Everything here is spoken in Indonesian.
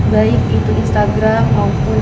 baik itu instagram